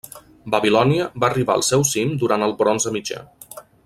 Babilònia va arribar al seu cim durant el bronze mitjà.